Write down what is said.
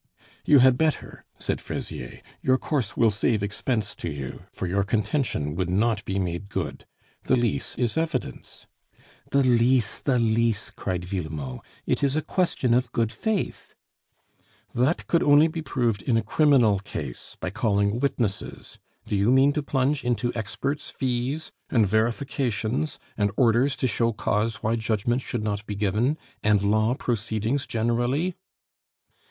"You had better," said Fraisier. "Your course will save expense to you, for your contention would not be made good. The lease is evidence " "The lease! the lease!" cried Villemot, "it is a question of good faith " "That could only be proved in a criminal case, by calling witnesses. Do you mean to plunge into experts' fees and verifications, and orders to show cause why judgment should not be given, and law proceedings generally?"